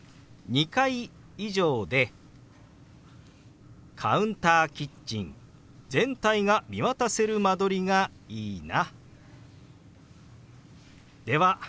２階以上でカウンターキッチン全体が見渡せる間取りがいいな。